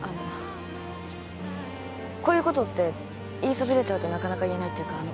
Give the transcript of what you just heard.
こういうことって言いそびれちゃうとなかなか言えないっていうか。